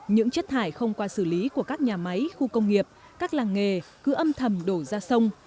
những chất thải không qua xử lý của các nhà máy khu công nghiệp các làng nghề cứ âm thầm đổ ra sông